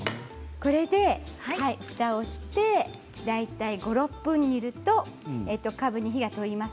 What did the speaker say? これでふたをして大体５分、６分煮るとかぶに火が通ります。